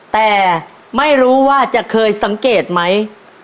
แต่ไม่รู้ว่าจะเคยสังเกตไหม